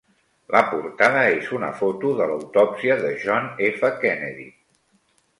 La portada és una foto de l'autòpsia de John F. Kennedy.